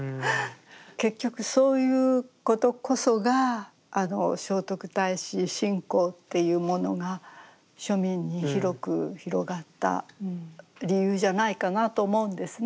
結局そういうことこそがあの聖徳太子信仰っていうものが庶民に広く広がった理由じゃないかなと思うんですね。